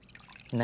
何？